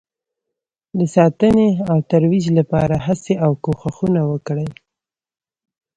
د ساتنې او ترویج لپاره هڅې او کوښښونه وکړئ